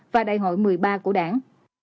và đại hội một mươi ba của đảng